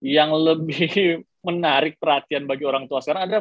yang lebih menarik perhatian bagi orang tua sekarang adalah